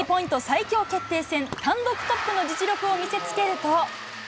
最強決定戦単独トップの実力を見せつけると。